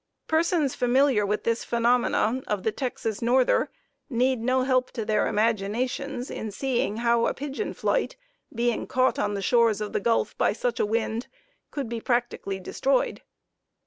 Persons familiar with this phenomena of the Texas "norther" need no help to their imaginations in seeing how a pigeon flight, being caught on the shores of the Gulf by such a wind could be practically destroyed.